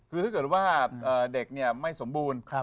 คือถ้าเกิดว่าเด็กไม่สมบูรณ์